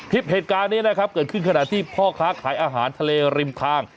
คลิปเหตุการณ์นี้นะครับเกิดขึ้นขณะที่พ่อค้าขายอาหารทะเลริมทาง